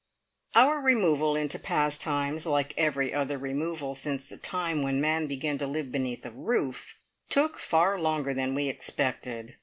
Our removal into Pastimes like every other removal since the time when man began to live beneath a roof took far longer than we expected.